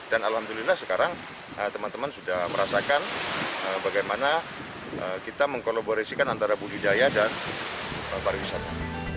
dan alhamdulillah sekarang teman teman sudah merasakan bagaimana kita mengkolaborasikan antara budidaya dan para wisata